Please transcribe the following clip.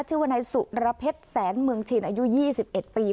ชื่อว่านายสุรเพชรแสนเมืองชินอายุ๒๑ปี